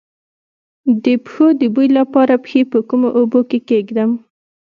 د پښو د بوی لپاره پښې په کومو اوبو کې کیږدم؟